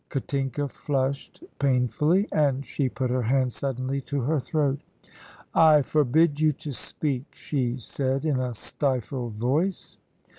Katinka flushed painfully, and she put her hand suddenly to her throat. "I forbid you to speak," she said, in a stifled voice.